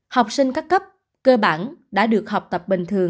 học sinh các cấp cơ bản đã được học tập bình thường